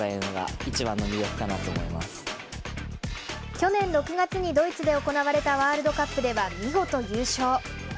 去年６月にドイツで行われたワールドカップでは、見事優勝。